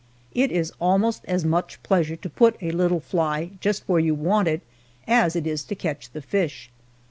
It is almost as much pleasure to put a little fly just where you want it, as it is to catch the fish.